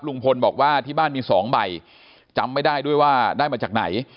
ลุงพลบอกว่าที่บ้านมี๒ใบจำไม่ได้ด้วยว่าได้มาจากไหน